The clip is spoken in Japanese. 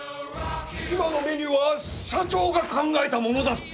今のメニューは社長が考えたものだぞ。